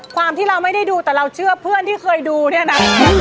ความที่เราไม่ได้ดูแต่เราเชื่อเพื่อนที่เคยดูเนี่ยนะ